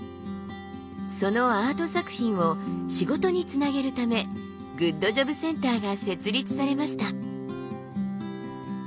そのアート作品を仕事につなげるためグッドジョブセンターが設立されました。